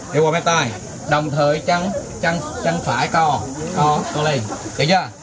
để qua mép tay đồng thời chân phải co co lên được chưa